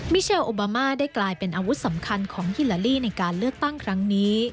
เชลโอบามาได้กลายเป็นอาวุธสำคัญของฮิลาลีในการเลือกตั้งครั้งนี้